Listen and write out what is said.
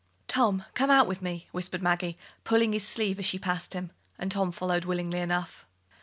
"Tom, come out with me," whispered Maggie, pulling his sleeve as she passed him; and Tom followed willingly enough.